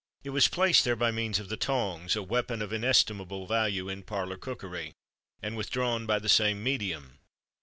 It was placed there by means of the tongs a weapon of inestimable value in Parlour Cookery and withdrawn by the same medium.